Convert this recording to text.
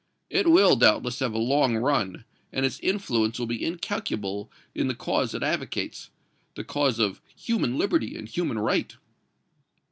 It will, doubtless, have a long run, and its influence will be incalculable in the cause it advocates the cause of human liberty and human right."